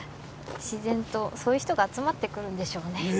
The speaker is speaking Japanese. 自然とそういう人が集まってくるんでしょうね